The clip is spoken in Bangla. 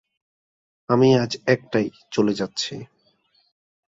আমি আজ একটায় চলে যাচ্ছি।